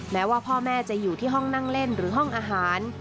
แม้ว่าพ่อแม่จะอยู่ที่ห้องนั่งเล่นหรือห้องอาหาร